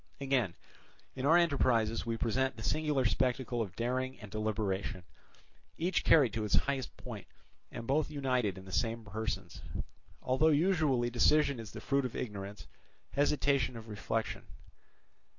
Again, in our enterprises we present the singular spectacle of daring and deliberation, each carried to its highest point, and both united in the same persons; although usually decision is the fruit of ignorance, hesitation of reflection.